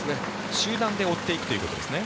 集団で追っていくということですね。